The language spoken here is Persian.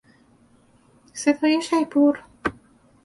صدای شیپور